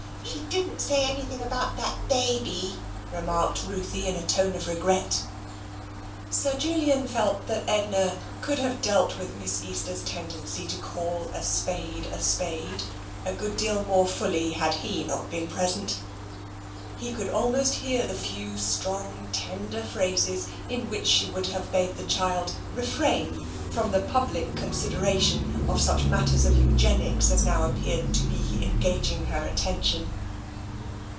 She didn't say anything about that baby," remarked Ruthie in a tone of regret. Sir Julian felt that Edna could have dealt with Miss Easter's tendency to call a spade a spade a good deal more fully had he not been present. He could almost hear the few strong, tender phrases in which she would have bade the child refrain from the public considera tion of such matters of eugenics as now appeared to be engaging her attention.